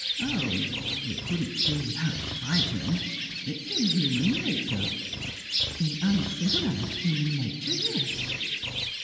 "Oh, we couldn't do without fighting. It's in human nature." "In uncivilised human nature, yes."